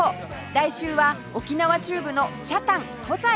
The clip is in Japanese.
来週は沖縄中部の北谷・コザへ